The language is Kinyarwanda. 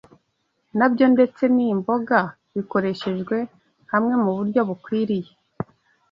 nabyo ndetse n’imboga bikoresherejwe hamwe mu buryo bukwiriye,